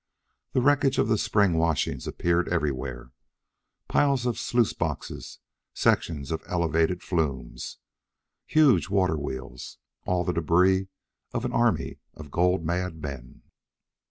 The wreckage of the spring washing appeared everywhere piles of sluice boxes, sections of elevated flumes, huge water wheels, all the debris of an army of gold mad men.